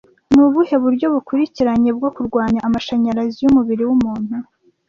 Ni ubuhe buryo bukurikiranye bwo kurwanya amashanyarazi y'umubiri w'umuntu